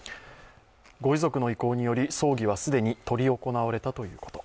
ご遺族の意向により、葬儀は既に執り行われたということ。